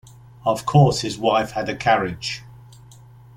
Of course his wife had a carriage!